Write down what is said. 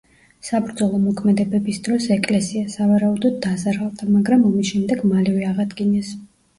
საბრძოლო მოქმედებების დროს ეკლესია, სავარაუდოდ დაზარალდა, მაგრამ ომის შემდეგ მალევე აღადგინეს.